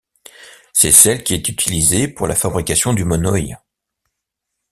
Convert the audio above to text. C'est celle qui est utilisée pour la fabrication du monoï.